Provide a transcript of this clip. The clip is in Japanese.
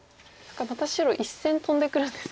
また白１線トンでくるんですか。